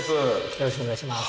よろしくお願いします。